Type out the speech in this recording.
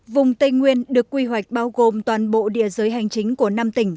vùng tây nguyên được quy hoạch bao gồm toàn bộ địa giới hành chính của năm tỉnh